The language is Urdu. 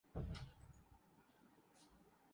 اسی طرح حکومت سازی کے لیے بھی اتحاد ہو سکتے ہیں۔